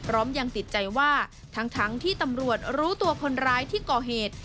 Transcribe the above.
ยังติดใจว่าทั้งที่ตำรวจรู้ตัวคนร้ายที่ก่อเหตุ